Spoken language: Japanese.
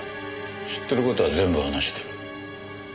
知ってる事は全部話してる。